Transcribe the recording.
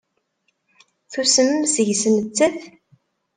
Tusmem seg-s nettat?